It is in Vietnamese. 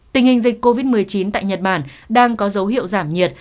tình hình dịch covid một mươi chín tại nhật bản đang có dấu hiệu giảm nhiệt